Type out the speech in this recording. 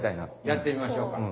やってみましょうか。